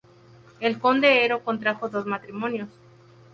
El conde Ero contrajo dos matrimonios.